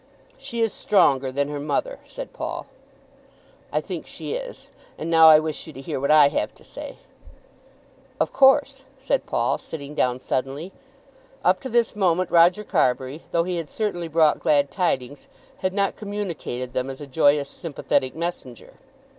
"She is stronger than her mother," said Paul. "I think she is. And now I wish you to hear what I have to say." "Of course," said Paul, sitting down suddenly. Up to this moment Roger Carbury, though he had certainly brought glad tidings, had not communicated them as a joyous, sympathetic messenger.